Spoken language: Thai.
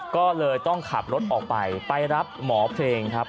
ก็เลยต้องขับรถออกไปไปรับหมอเพลงครับ